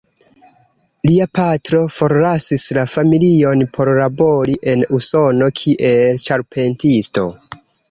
Lia patro forlasis la familion por labori en Usono kiel ĉarpentisto.